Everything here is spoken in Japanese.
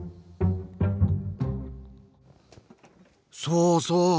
そうそう！